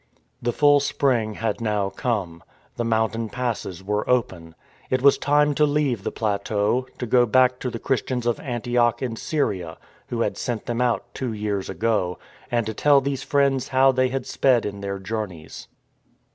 The full spring had now come. The mountain passes were open. It was time to leave the plateau; to go back to the Christians of Antioch in Syria, who had sent them out two years ago, and to tell these friends how they had sped in their journeys.